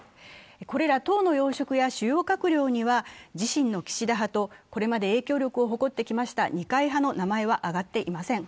これら党の要職や主要閣僚には、自身の岸田派とこれまで影響力を誇った来た二階派の名前は挙がっていません。